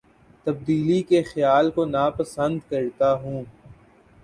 تبدیلی کے خیال کو نا پسند کرتا ہوں